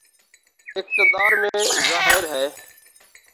اقتدار میں ظاہر ہے۔